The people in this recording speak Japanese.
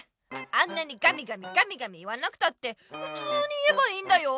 あんなにガミガミガミガミ言わなくたってふつうに言えばいいんだよ。